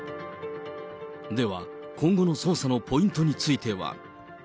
では、今後の捜査のポイントについては。